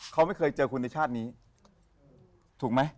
เขาไม่เคยเจอคุณในชาตินี้ถูกไหม